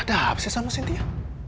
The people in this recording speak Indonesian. ada apa sih sama sintia